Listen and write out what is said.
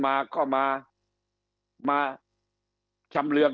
คำอภิปรายของสอสอพักเก้าไกลคนหนึ่ง